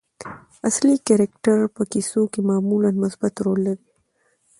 اصلي کرکټر په کیسو کښي معمولآ مثبت رول لري.